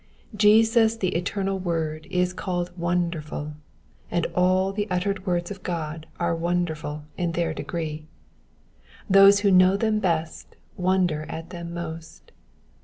Jesus the eternal Word is called Wonderful, and all the uttered words of God are wonderful in their degree. Those who know them best wonder at them most.